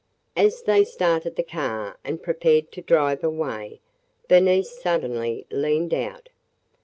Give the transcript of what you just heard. As they started the car and prepared to drive away, Bernice suddenly leaned out.